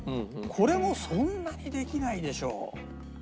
これもそんなにできないでしょう。